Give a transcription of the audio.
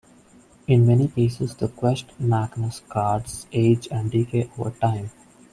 In many cases, the quest Magnus cards age and decay over time.